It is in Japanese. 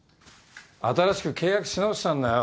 新しく契約し直したんだよ。